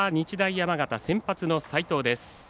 山形、先発の齋藤です。